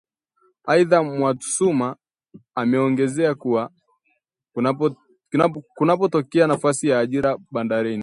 Aidha Mwatsuma ameongezea kuwa kunapotekea nafasi ya ajira Bandarini